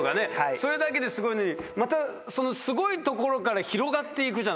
それだけですごいのにまたそのすごいところから広がって行くじゃない。